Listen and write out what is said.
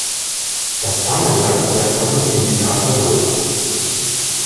Das Ammoniak färbt dann den Indikator rot.